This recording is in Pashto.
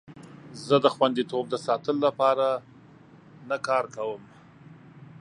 زه د خوندیتوب د ساتلو لپاره نه کار کوم.